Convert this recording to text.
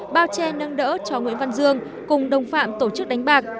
bao che nâng đỡ cho nguyễn văn dương cùng đồng phạm tổ chức đánh bạc